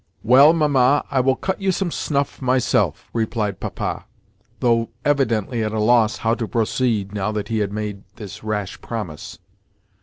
"Well, Mamma, I will cut you some snuff myself," replied Papa, though evidently at a loss how to proceed now that he had made this rash promise.